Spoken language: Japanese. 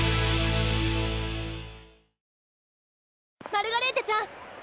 マルガレーテちゃん！